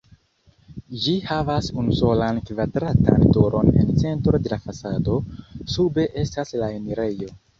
Ĝi havas unusolan kvadratan turon en centro de la fasado, sube estas la enirejo.